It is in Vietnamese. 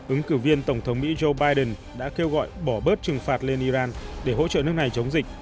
ứng cử viên tổng thống mỹ joe biden đã kêu gọi bỏ bớt trừng phạt lên iran để hỗ trợ nước này chống dịch